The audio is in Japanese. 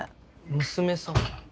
娘さん？